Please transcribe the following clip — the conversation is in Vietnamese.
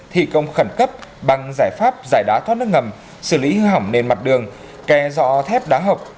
thi công khẩn cấp bằng giải pháp giải đá thoát nước ngầm xử lý hư hỏng nền mặt đường kè dọ thép đá học